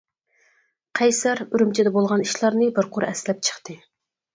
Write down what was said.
قەيسەر ئۈرۈمچىدە بولغان ئىشلارنى بىر قۇر ئەسلەپ چىقتى.